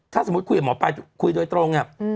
ถ้าสมมุติคุยกับหมอปลายคุยโดยตรง